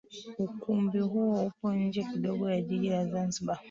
Ukumbi huo upo nje kidogo ya Jiji la Zanzibar